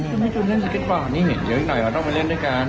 นี่เดี๋ยวอีกหน่อยเราต้องมาเล่นด้วยกัน